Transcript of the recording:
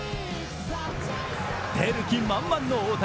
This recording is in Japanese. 出る気満々の大谷。